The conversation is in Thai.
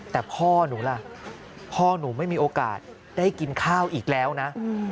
แต่พ่อหนูล่ะพ่อหนูไม่มีโอกาสได้กินข้าวอีกแล้วนะ